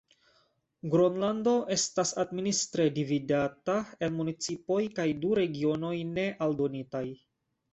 Gronlando estas administre dividata en municipoj kaj du regionoj ne aldonitaj.